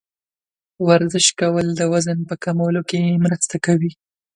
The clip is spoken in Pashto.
ورزش کول د وزن په کمولو کې مرسته کوي.